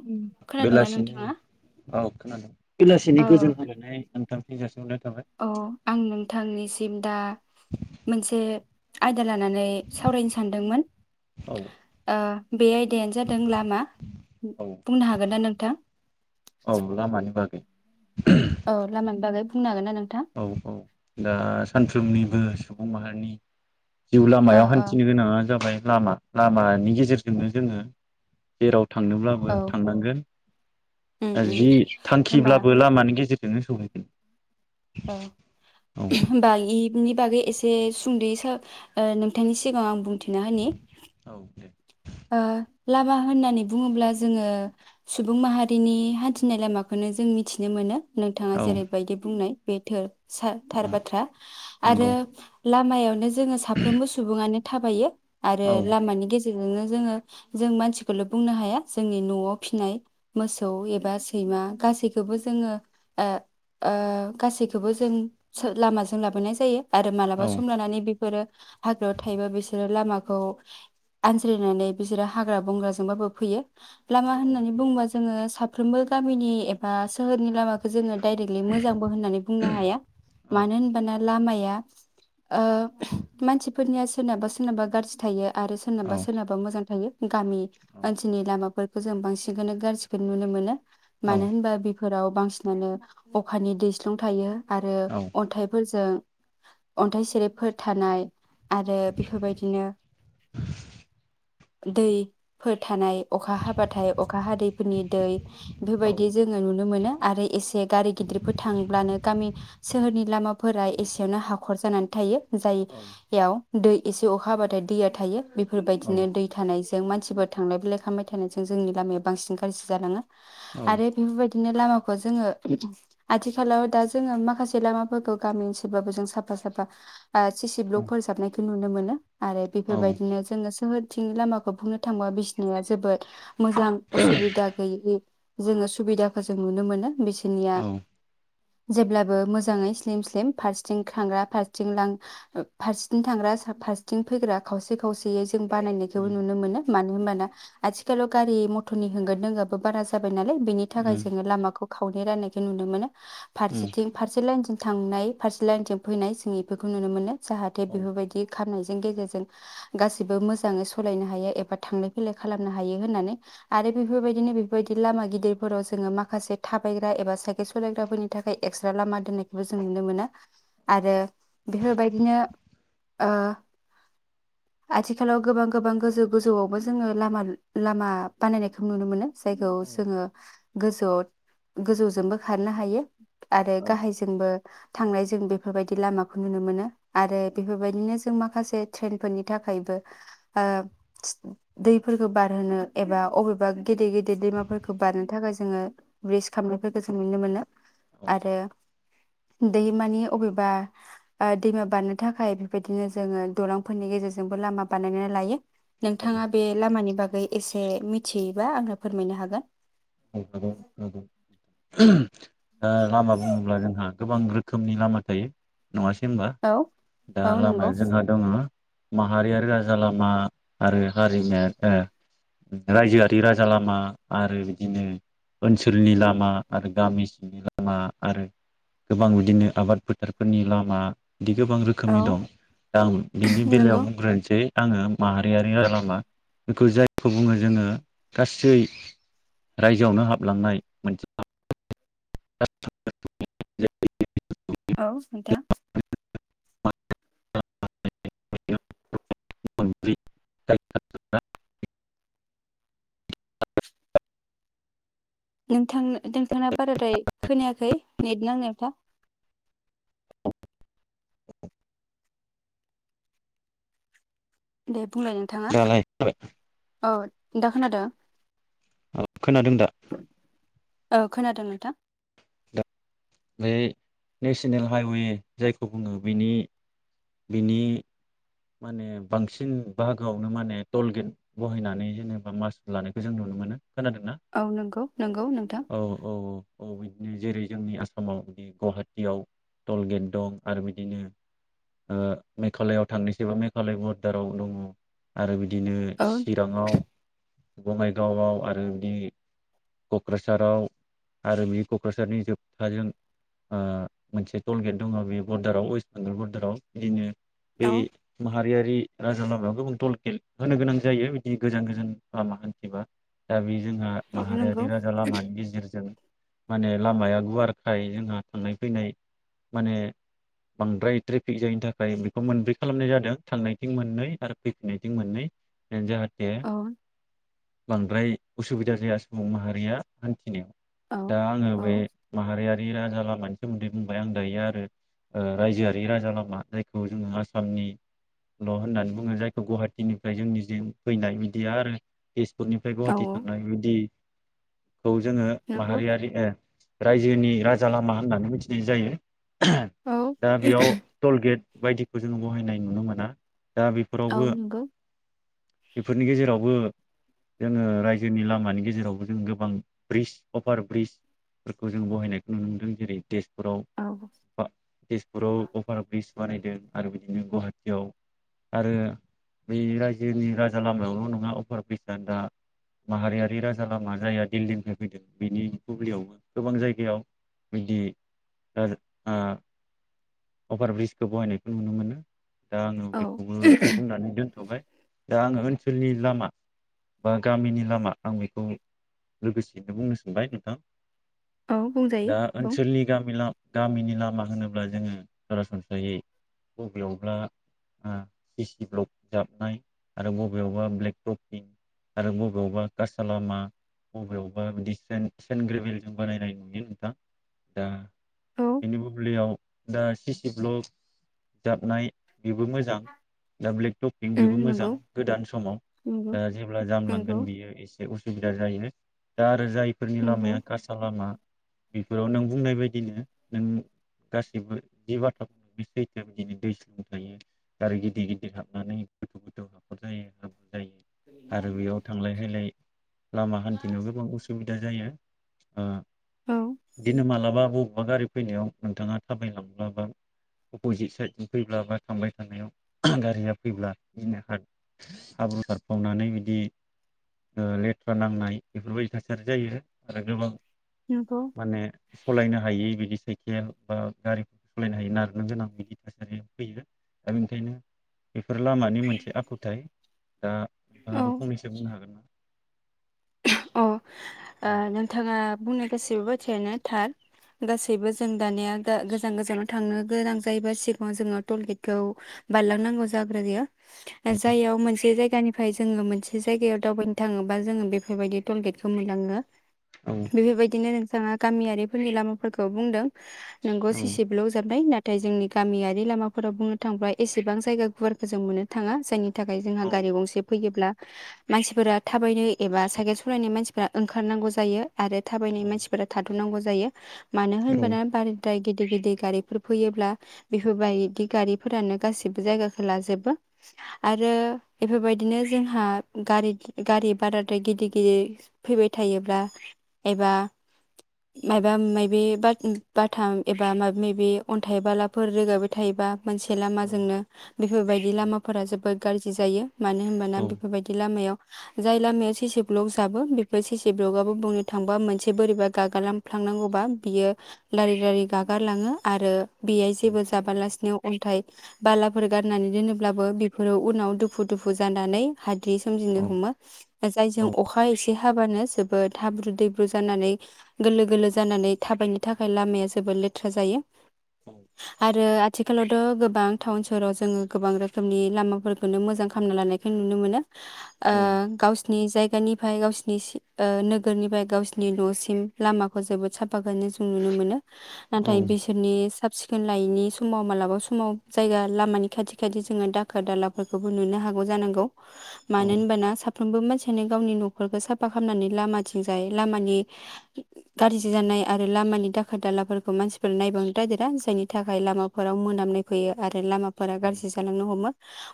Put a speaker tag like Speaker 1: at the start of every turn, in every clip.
Speaker 1: उम खोनादों दा नोंथाङा?
Speaker 2: बेलासिनि औ खोनादों। बेलासिनि
Speaker 1: औ
Speaker 2: गोजोन हामलायनाय नोंथांनि जासिहरनाय थाबाय।
Speaker 1: औ आं नोंथांनिसिम दा मोनसे आयदा लानानै सावरायनो सानदोंमोन
Speaker 2: औ
Speaker 1: ओ बे आयदायानो जादों लामा उ
Speaker 2: औ
Speaker 1: बुंनो हागोन ना नोंथां?
Speaker 2: औ लामानि बागै
Speaker 1: औ लामानि बागै ब बुंनो हागोना नों?
Speaker 2: औ औ दा सानफ्रोमनिबो सुबुं माहारिनि जिउ
Speaker 1: ओ
Speaker 2: लामायाव
Speaker 1: ओ
Speaker 2: हान्थिनो गोनाङा जाबाय लामा लामानि गेजेरजोंनो जोङो जेराव
Speaker 1: औ
Speaker 2: थांनोब्लाबो थांनांगोन।
Speaker 1: उम
Speaker 2: ओ
Speaker 1: उम
Speaker 2: जि
Speaker 1: होमबा
Speaker 2: थांखिब्लाबो लामानि गेजेर नोंनो सौहैदो
Speaker 1: अ होमबा इबनि बागै एस जे सुंद'यै सा ओ नोंथांनि सिगाङाव आं बुं थिना होनि।
Speaker 2: औ दे
Speaker 1: ओ लामा होननानै बुङोब्ला जोङो सुबुं माहारिनि हान्थिनाय लामाखौनो जों मिथिनो मोनो। नोंथाङा
Speaker 2: औ
Speaker 1: जेरैबायदि बुंनाय बे थोर सा थार बाथ्रा
Speaker 2: नंगौ
Speaker 1: आरो लामायाव जोङो साफ्रोमबो सुबुङानो थाबायो। आरो
Speaker 2: औ
Speaker 1: लामानि गेजे [unintelligible] जोङो जों मानसिखौल' बुंनो हाया जोंनि न'आव फिनाय मोसौ एबा सैमा गासैखौबो जोङो ओ ओ गासैखौबो जों सो-लामाजों लाबोनाय जायो। आरो
Speaker 2: औ
Speaker 1: मालाबा सम लानानै बे फोरो हाग्रायाव थायोबा बिसोरो लामाखौ आनज्राय नानै बिसोरो हाग्रा बंग्राजोंबाबो फैयो। लामा होननानै बुङोबा जोङो साफ फ्रोमबो गामिनि एबा सोहोरनि लामाख जोङो डाइरेक्टलि मोजांबो होननानै बुंनो हाया
Speaker 2: औ
Speaker 1: मानो होनबाना लामाया ओ मानसिफोरनिया सोरनाबा सोरनाबा गारजि थायो। आरो
Speaker 2: औ
Speaker 1: सोरनाबा सो मोजां थायो। गामि ओनसोलनि लामाफोर खौ जों बांसिनखौनो गारजिखौनो नुनो मोनो। मानो होनबा बिफ फोराव बांसिनानो अखानि दैस्लुं थायो। आरो
Speaker 2: औ
Speaker 1: अन्थाइफोरजों अन्थाइ सेरेबफोर थानाय आरो बेफोरबायदिनो दैफोर थानाय अखा हाबाथाय अखा हादैफोरनि दै बेफोरबायदि जोङो नुनो मोनो। आरो एसे गारि गिदिरफोर थांब्लानो गामि सोहोरनि लामाफोरा एसेयावनो हाखर जानानै थायो जायगायाव दै एसे अखा हाबाथाय दैया थायो बेफोरबायदि बिदिनो दै थानायजों मानसिफोर थांलायैलाय खालामबाय थानायजों जोंनि लामाया बांसिन गाज्रि जालाङो आरो बेफोरबायदि बिदिनो लामाखौ जोङो आथिखालाव दा जोङो माखासे लामाफोरखौ गामि एसेब्लाबो जों साफा साफा ओ सि सि ब्लकफोर जाबनाय नुनो मोनो आरो
Speaker 2: औ
Speaker 1: बेफोरबायदिनो जोङो सोहोरथिंनि लामाखौ बुंनो थांबा बिसिनाया जोबोद मोजां असुबिदा गैयै जोङो सुबिदाखौ जों नुनो मोनो बिसो
Speaker 2: औ
Speaker 1: जेब्लाबो मोजाङै स्लिम स्लिम फारसेथिं थांग्रा फारसेथिं लां फारसेथिं थांग्रा फारसेथिं फैग्रा खावसे खावसेयै जों बानायनायखौबो
Speaker 2: उम
Speaker 1: नुनो मोनो मानो होनोमबाना आथिखालाव गारि मथरनि होंगोन दोंगाबो बारा जाब बाय नालाय बेनि थाखाय
Speaker 2: उम
Speaker 1: जोङो लामाखौ खावनायै राननायखौ नुनो मोनो
Speaker 2: उम
Speaker 1: फारसेथिं फारसे लाइनथिं थांनाय फारसे लाइनथिं फैनाय जों बेफोरखौ नुनो मोनो जाहाथे
Speaker 2: औ
Speaker 1: बेफोरबायदि खामनाय नि गेजेरजों गासै बो मोजाङै सालायनो हायो एबा थांलाय फैलाय खालामनो हायो होननानै आरो बेफोरबायदिनो बेफोरबायदि लामा गिदिरफोराव जोङो माखासे थाबायग्रा एबा साइकेल सालायग्राफोरनि थाखाय एक्सट्रा लामा दोननायखौबो जों नुनो मोनो आरो बेफोरबायदिनो ओ आथिखालाव गोबां गोबां गोजौ गोजौआवबो जोङो लामा लामा बानायनायखौ नुनो मोनो। जायगायाव
Speaker 2: औ
Speaker 1: जोङो गोजौआव गोजौजोंबो खारनो हायो। आरो
Speaker 2: औ
Speaker 1: गाहायजोंबो थांनाय जों बेफोरबायदि लामाखौ नुनो मोनो आरो बेफोरबायदिनो जों माखासे ट्रेन फोरनि नि थाखायबो ओ दैफोरखौ बारहोनो एबा अबेबा गेदेर गेदेर दैमाफोरखौ बारनो थाखाय जोङो ब्रिज खामनायफोरखौ जों नुनो मोनो।
Speaker 2: औ
Speaker 1: आरो दैमानि अबेबा ओ दैमा बारनो थाखाय बेबायदिनो जोङो दलांफोरनि गेजेरजों जोंबो लामा बानायनानै लायो।
Speaker 2: औ
Speaker 1: नोंथाङा बे लामानि बागै एसे मिथियोबा आंङो फोरमायनो हागोन?
Speaker 2: औ [inaudible] ओ लामा बुंङोब्ला जोंहा गोबां रोखोमनि लामा थायो। नङासै होमबा
Speaker 1: औ
Speaker 2: दा
Speaker 1: औ नंगौ
Speaker 2: लामाया जोंहा दङ। माहारियारि राजा लामा आरो हारिमाया रायजोआरि राजा लामा आरो। बिदिनो ओनसोलनि लामा आरो गामि सिंनि लामा आरो गोबां बिदिनो आबाद फोथारफोरनि लामा। बिदि गोबां
Speaker 1: औ
Speaker 2: रोखोमनि दं दा आं बिनि बेलायाव
Speaker 1: नंगौ
Speaker 2: बुंग्रोनोसै आंङो माहारियारि लामा बेखौ जायखौ बुंङो जोंङो गासै रायजोआवनो हाबलांनाय मोनसे [unintelligible] [unintelligible]
Speaker 1: औ खोन्था।
Speaker 2: [unintelligible] [unintelligible]
Speaker 1: नोंथां नोंथांना बाराद्राय खोनायाखै? नेद नांनायाव था। दे बुंलाय नोंथांङा औ दा खोनादो।
Speaker 2: औ खोनादों दा?
Speaker 1: औ खोनादो नोंथां।
Speaker 2: दा बे नेसिनेल हाइवे जायखौ बुंङो बेनि बिनि माने बांसिन बाहागोआवनो माने टल गेनट बहायनानै जेनेबा मासुल लानायखौ जों नुनो मोनो। खोनादोंना
Speaker 1: औ नंगौ नंगौ नोंथां
Speaker 2: औ औ औ औ बि नो जेरै जोंनि आसामाव बि गुवाहाटियाव टल गेट दं आरो बिदिनो ओ मेघालआव थांनोसैबा मेघालय बरदाराव दङ। आरो बिद दिनो
Speaker 1: औ
Speaker 2: चिराङाव बङाइगावआव आरो बिदि क'क्राझाराव आरो बि क'क्राझारनि जोबथाजों ओ मोनसे टल गेट दङ बे बरडाराव वेस थांग्रा बरडाराव इदिनो‌ बे
Speaker 1: औ
Speaker 2: माहा रिआरि राजा लामायाव गोबां टल गेद होनो गोनां जायो बिदि गोजान गोजान लामा हान्थिबा दा बि जोंहा
Speaker 1: औ नंगौ
Speaker 2: माहारिआरि राजा लामानि गेजेरजों माने लामाया गुवारखाय जोंहा थांनाय फैनाय माने बांद्राय ट्रेफिक जायैनि थाखाय खौ मोनब्रै खालामनाय जादों थांनायथिं मोननै आरो फैफिननायथिं मोननै ओ जाहा थे
Speaker 1: औ
Speaker 2: बां फ्राय उसुबिदा जाया सुबुं माहारिया हान्थिनायाव।
Speaker 1: औ
Speaker 2: दा आङो बे
Speaker 1: औ
Speaker 2: माहारियारि राजा ला मानि सोमोन्दै बुंबाय आं दायो आरो ओ रायजोआरि राजा लामा जाय खौ जोङो आसामनि ल' होननानै बुङो जायखौ गुवाहाटिनि फाय जोंनि जे फैनाय बिदि आरो तेजपुरनिफ्राय
Speaker 1: औ
Speaker 2: गुवाहाटि थांनाय बेबादि खौ जोङो
Speaker 1: नंगौ
Speaker 2: माहारियारि ओ रायजोनि राजा लामा होननानै मिथि दि जायो।
Speaker 1: औ
Speaker 2: दा बेयाव टल गेट बायदिखो जों बहायनाय नुनो मोना। दा
Speaker 1: औ
Speaker 2: बेफोरावबो
Speaker 1: नंगौ
Speaker 2: बेफोरनि गेजेरावबो जोङो रायजोनि लामानि गेजेरावबो जों गोबां ब्रिज अभार ब्रिजफोरखौ जों बहायनायखौ नुनो मोनदों जेरै देश तेजपुराव
Speaker 1: औ
Speaker 2: बा तेजपुराव अभार ब्रिज बानायदों आरो बिदिनो गुवाहाटियाव आरो बे रायजोनि राजा लामायावल' नङा अभार ब्रिजआ दा माहारियारि राजा लामा जायहा दिल्लीनिफ्राय फैदों बेनि बुब्लियाव गोबां जायगायाव बिदि अभार ब्रिज बाहायनायखौ नुनो मोनो। दा आङो
Speaker 1: औ
Speaker 2: बेखौबो बुंनानै दोनथ'बाय दा आङो ओनसोलनि लामा बा गामिनि लामा आं बेखौ लोगोसेयैनो बुंनो सोंबाय नोंथां
Speaker 1: औ बुंजायो
Speaker 2: दा
Speaker 1: बुं
Speaker 2: ओनसोलनि गामि ला गामिनि लामा होनोब्ला जोङो सरासनस्रै यायै बबेयावबा सिसि ब्लक जाबनाय आरो बबेयावबा ब्लेक टफिं आरो बबेयावबा कासालामा बबेयावबा बिदि सेन्ट ग्रेभेलजों बानायनाय नुयो नोंथां दा
Speaker 1: औ
Speaker 2: बेनि बुब्लियाव दा सिसि ब्लक जाबनाय बेबो मोजां दा ब्लेक टपिक
Speaker 1: उम
Speaker 2: बेबो मोजां
Speaker 1: नंगौ
Speaker 2: गोदान समाव
Speaker 1: नंगौ
Speaker 2: दा जेब्ला
Speaker 1: नंगौ
Speaker 2: जामलांगोन बियो एसे उसुबिदा जायो। दा आरो जायफोरनि
Speaker 1: नंगौ
Speaker 2: लामाया खासा लामा बेफोराव नों बुंनाय बायदिनो नों गासैबो जि बे बाथ्रा सैथोआ बिदिनो दै स्लुं थायो आरो आरो गिदिर गिदिर हाबनानै गोथौ हाखहर जायो। जायो आरो बेयाव थांलाय फैलाय लामा हान्थिनायाव गोबां उसुबिदा जायो। ओ
Speaker 1: औ
Speaker 2: दिनो मालाबा ब माबा गारि फैनायाव नोंथाङा थाबायलांब्लायबा अपजिट साइदनि फैब्ला बा थांबाय थानायाव गारिया फैब्ला बिदिनो हाब्रुथारफावनानै बिदि लेथ्रा नांनाय बेफोरबायदि थासारि जायो आरो गोबां
Speaker 1: नंगौ
Speaker 2: माने सलायनो हायि बिदि साइकेल बा गारि सालायनो हायोना आरो गोनां बिदि थासारिया फैयो दा बेनिखायनो बेफोर लामानि मोनसे आखुथाइ दा
Speaker 1: औ
Speaker 2: नोंथाङाबो फंनैसो बुंनो हागोन ना
Speaker 1: अ ओ नोंथाङा बुंनाय गासैबो बाथ्रायानो थार गासैबो जों दानिया गा गोजान गोजानाव थांनो गोनां जायोबा सिगाङाव जोङो टलगेटखौ बारलांनांगौ जाग्रोयो जायाव मोनसे जायगा सिगांनिफ्राय जोङो मोनसे जायगायाव दावबायनो थाङोब्ला जोङो बेखौ बेफोरबायदि टलगेटखौ मोनलाङो।
Speaker 2: औ
Speaker 1: बेफोरबायदिनो बिथाङा गामियारिफोरनि लामाफोरखौ बुंदों। नोंगौ
Speaker 2: औ
Speaker 1: सिसि ब्लक जाबबाय नाय नाथाय जोंनि गामियारि लामाफोराव बुंनो थांङोब्ला एसेबां जायगा गुवारखौ जों मोननो थाङा जायनि नि थाखाय जोंहा
Speaker 2: औ
Speaker 1: गारि गंसे फैयोब्ला मानसिफोरा थाबायनो एबा साइकेल सालायनाय मानसिफ्रा ओंखारनांगौ जायो आरो थाबायनाय
Speaker 2: औ
Speaker 1: मानसिफोरा थाद'नांगौ जायो जायो मानो
Speaker 2: औ
Speaker 1: होनबाना बारद्राय गिद गिदिर गिदिर गारिफोर फैयोब्ला बेफोरबायदि गारिफोरानो गासिबो जायगाखौ लाजोबो आरो बेफोरबायदिनो जोंहा गारि गारि बाराद्राय गिदिर गिदिर फैबाय थायोब्ला एबा माबा माबि बाथाम एबा माबा माबि अन्थाइ बालाफोर रोगाबाय थायोबा मोनसे
Speaker 2: औ
Speaker 1: लामाजोंनो बेफोरबायदि
Speaker 2: औ
Speaker 1: लामाफोरा जोबोद गाज्रि जायो मानो होनबाना
Speaker 2: औ
Speaker 1: बेफोरबायदि लामायाव जाय लामाया सि सि ब्लग जाबो बेफोर सिसि ब्लगआबो बुंनो थांबा मोनसे बोरैबा गागालांफ्लांनांगौबा बियो लारि लारि गागालाङो आरो बेहाय जेबो जाबालासिनो अन्थाय बालाफोर गारनानै दोनोब्लाबो बेफोरो उनाव दुफु दुफु जानानै हाद्रि सोमजिनो
Speaker 2: औ
Speaker 1: हमो जायजों अखा एसे हाबानो जोबोद हाब्रु दैब्रु जानानै गोलो गोलो जानानै थाबायनो थाखाय लामाया जोबोद लेथ्रा जायो अ आरो आथिखालावथ' गोबां टाउन सोहोराव जोङो गोबां रोखोमनि लामाफोरखौनो मोजां खालामना लानायखौ नुनो मोनो आ
Speaker 2: औ
Speaker 1: गावस नि जाय बिगानिफ्राय गावसिनिसि ओ नोगोरनिफ्राय गावसिनि न'सिम लामाखौ जोबोद साफा खालामनाय जों नुनो मोनो
Speaker 2: औ
Speaker 1: नाथाय बिसोरनि साबसिन सिखोन लायैनि समाव मालाबा समाव जायगा लामानि खाथि खाथि जोङो दाखोर दालाफोरखौबो नुनो हागौ जानांगौ मानो होनबाना सा थोमबो मानसि बेंखायनो गावनि न'खरखौ साफा खालामनानै लामाथिंजाय लामानि गाज्रि जानाय आरो लामानि दाखोर दालाफोरखौ मानसिफोरा नायबांनो नागेरा जायनि थाखाय लामाफोराव मोनामनाय फैयो आरो लामा। फोर गाज्रि जालांनो हमो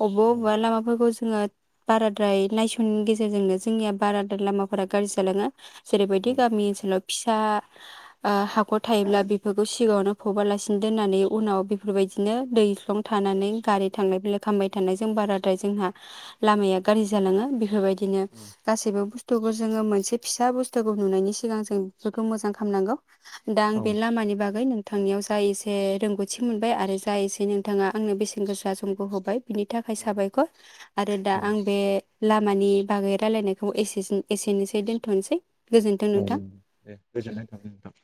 Speaker 1: बबा अबेबा लामाफोरखौ जोङो। बाराद्राय नायसननो गेजेर गेजेरजोंनो जोंनिया बाराद्राय लामाफोरा गारज्रि जालाङो। जेरैबायदि गामि ओनसोलाव फिसा हाखर थायोब्ला बेफोरखौ सिगाङावनो फबालासिनो दोननानै उनाव बेफोर बायदिनो दैस्लं थानानै गारि थांलाय फैलाय। खालामबाय थानायजों बाराद्राय जोंहा लामाया गाज्रि जालाङो बेफोर बायदि। गासिबो बु बुस्थुखौ जोङो मोनसे फिसा बुस्थुखौ नुनायनि सिगां जों बेखौ मोजां खालामनांगौ। दा आं बे लामानि बागै नोंथांनियाव जा एसे रोंगौथि मोनबाय आरो जा एसे नोंथाङा आंनो बेसेन गोसा समखौ होबाय। बिनि थाखाय साबायखर आरो दा आं
Speaker 2: औ
Speaker 1: बे लामानि बागै रायलायनायखौ एसेसो एसेनोसै दोनथ'नोसै। गोजोन्थों
Speaker 2: औ
Speaker 1: नोंथां
Speaker 2: दे गोजोननाय थाबाय नोंथां।